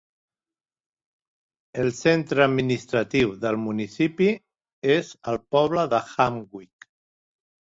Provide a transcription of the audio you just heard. El centre administratiu del municipi és el poble de Hamnvik.